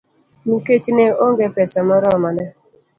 Nikech ne onge pesa moromo, ne